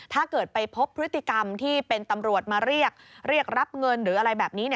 ถ้าเกิดไปพบพฤติกรรมที่เป็นตำรวจมาเรียกเรียกรับเงินหรืออะไรแบบนี้